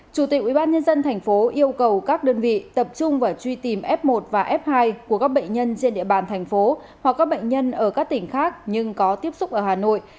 chủ tịch ubnd tp yêu cầu các đơn vị tập trung vào truy tìm f một và f hai của các bệnh nhân trên địa bàn thành phố hoặc các bệnh nhân ở các tỉnh khác nhưng có tiếp xúc ở hà nội